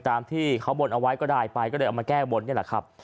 ตามที่เขาบนเอาไว้ก็ได้ไปก็เลยเอามาแก้บนนี่แหละครับ